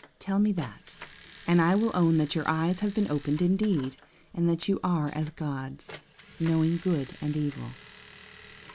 Tell me that, and I will own that your eyes have been opened indeed, and that you are as gods, knowing good and evil.